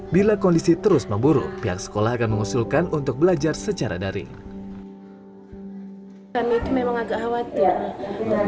bila kondisi terus memburuk pihak sekolah akan mengusulkan untuk belajar secara daring